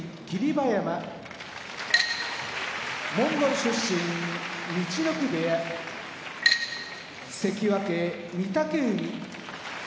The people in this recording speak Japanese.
馬山モンゴル出身陸奥部屋関脇・御嶽海